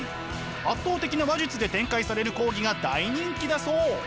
圧倒的な話術で展開される講義が大人気だそう。